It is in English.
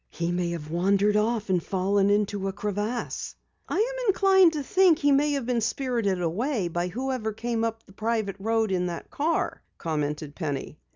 "He may have wandered off and fallen into a crevasse." "I am inclined to think he may have been spirited away by whoever came up the private road in that car," commented Penny.